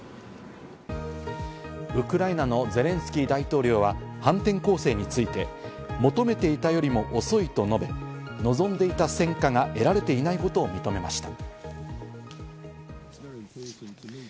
ウクライナのゼレンスキー大統領は反転攻勢について、求めていたよりも遅いと述べ、望んでいた戦果が得られていないことを認めました。